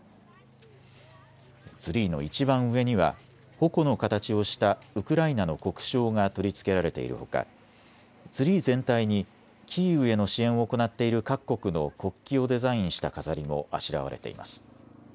ツリーのいちばん上には矛の形をしたウクライナの国章が取り付けられているほか、ツリー全体にキーウへの支援を行っている各国の国旗をデザインした飾りもあしらわれています。